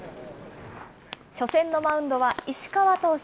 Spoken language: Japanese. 初戦のマウンドは石川投手。